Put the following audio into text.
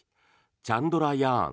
チャンドラヤーン